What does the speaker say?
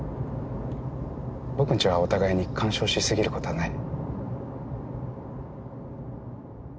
僕んちはお互いに干渉しすぎる事はない。